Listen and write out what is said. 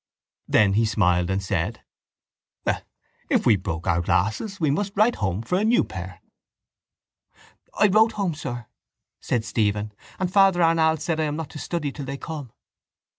Then he smiled and said: —Well, if we broke our glasses we must write home for a new pair. —I wrote home, sir, said Stephen, and Father Arnall said I am not to study till they come.